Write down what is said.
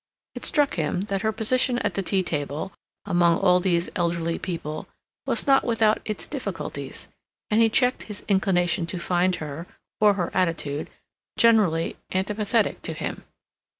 It struck him that her position at the tea table, among all these elderly people, was not without its difficulties, and he checked his inclination to find her, or her attitude, generally antipathetic to him.